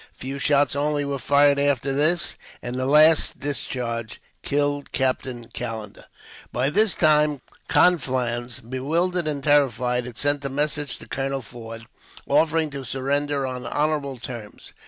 A few shots only were fired after this, and the last discharge killed Captain Callender. By this time Conflans, bewildered and terrified, had sent a message to Colonel Forde, offering to surrender on honorable terms.